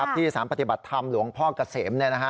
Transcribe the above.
ที่สารปฏิบัติธรรมหลวงพ่อเกษม